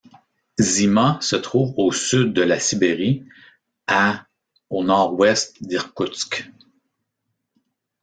Zima se trouve au sud de la Sibérie, à au nord-ouest d'Irkoutsk.